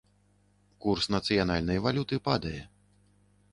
Курс нацыянальнай валюты падае.